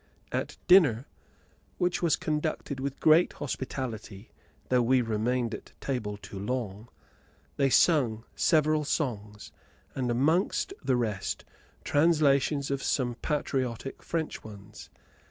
At dinner, which was conducted with great hospitality, though we remained at table too long, they sung several songs, and, amongst the rest, translations of some patriotic French ones.